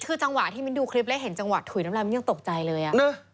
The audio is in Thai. คือจังหวะมีนดูคลิปแล้วเห็นจังหวะถ่วยน้ำร้ายมันยังตกใจเลย